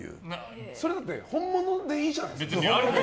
それだって本物でいいじゃないですか。